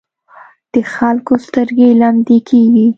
د خلکو سترګې لمدې کېږي.